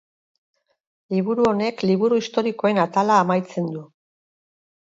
Liburu honek Liburu historikoen atala amaitzen du.